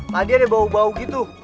tadi ada bau bau gitu